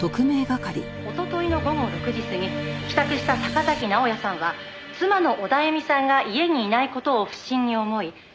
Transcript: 「おとといの午後６時過ぎ帰宅した坂崎直哉さんは妻のオダエミさんが家にいない事を不審に思い」